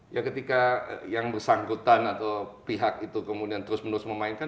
ya ketika yang bersangkutan atau pihak itu kemudian terus menerus memainkan